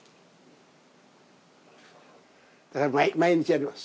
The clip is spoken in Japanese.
だから毎日やります。